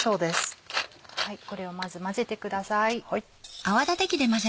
これをまず混ぜてください。